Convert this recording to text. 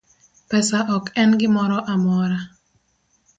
Pesa ok en gimoro amora